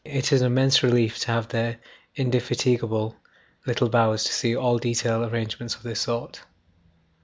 For me it is an immense relief to have the indefatigable little Bowers to see to all detail arrangements of this sort.